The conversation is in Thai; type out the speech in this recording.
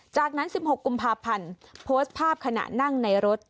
จากนั้น๑๖กุมภาพันธ์โพสต์ภาพขณะนั่งในรถ